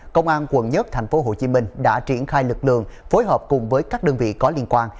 công an quận một tp hcm đã triển khai lực lượng phối hợp cùng với các đơn vị có liên quan